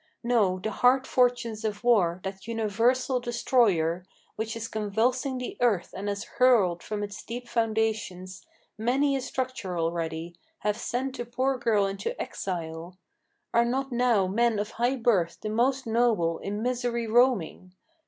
No: the hard fortunes of war, that universal destroyer, Which is convulsing the earth and has hurled from its deep foundations Many a structure already, have sent the poor girl into exile. Are not now men of high birth, the most noble, in misery roaming?